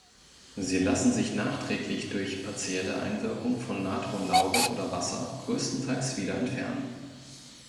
Sie lassen sich nachträglich durch partielle Einwirkung von Natronlauge oder Wasser größtenteils wieder entfernen.